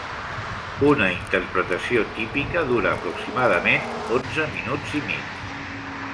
Una interpretació típica dura aproximadament onze minuts i mig.